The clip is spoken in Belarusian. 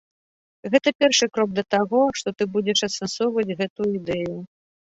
Гэта першы крок да таго, што ты будзеш асэнсоўваць гэтую ідэю.